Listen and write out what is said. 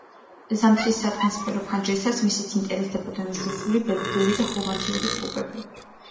ზამთრის სატრანსფერო ფანჯრისას მისით ინტერესდებოდნენ რუსული, ბელგიური და ჰოლანდიური კლუბები.